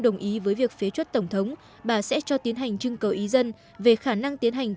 đồng ý với việc phế chuất tổng thống bà sẽ cho tiến hành trưng cầu ý dân về khả năng tiến hành